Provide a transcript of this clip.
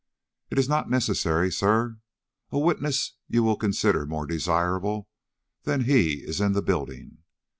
"It is not necessary, sir. A witness you will consider more desirable than he is in the building."